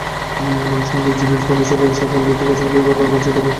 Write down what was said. নাম শুনলে জিভে পানি চলে আসা ফলভর্তি গাছগুলো রাখা আছে টবে।